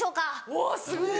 うわすごい！